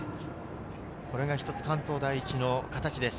これがひとつ関東第一の形です。